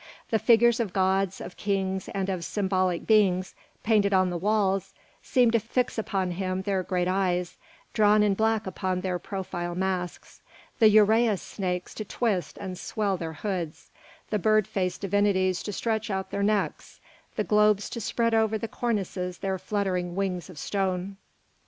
The figures of gods, of kings, and of symbolic beings painted on the walls seemed to fix upon him their great eyes, drawn in black upon their profile masks, the uræus snakes to twist and swell their hoods, the bird faced divinities to stretch out their necks, the globes to spread over the cornices their fluttering wings of stone.